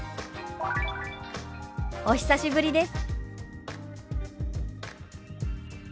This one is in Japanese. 「お久しぶりです」。